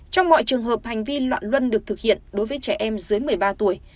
trong mọi trường hợp hành vi loạn luân được thực hiện đối với trẻ em dưới một mươi ba tuổi